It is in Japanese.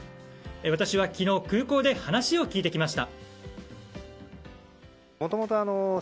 私は昨日空港で話を聞いてきました。